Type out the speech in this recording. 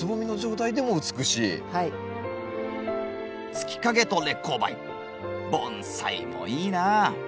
月影と烈公梅盆栽もいいなぁ。